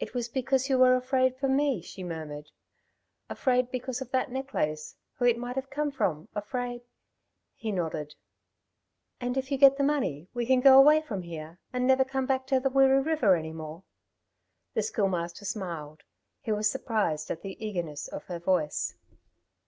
"It was because you were afraid for me," she murmured. "Afraid because of that necklace, who it might have come from, afraid " He nodded. "And if you get the money we can go away from here and never come back to the Wirree River any more?" The Schoolmaster smiled. He was surprised at the eagerness of her voice.